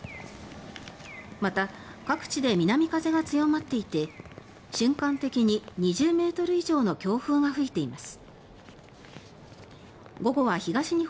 また、各地で南風が強まっていて瞬間的に２０ｍ以上の強風が吹いています。